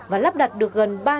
và lắp đặt được gần